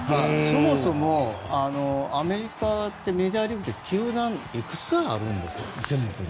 そもそも、アメリカってメジャーリーグって球団いくつあるんですか？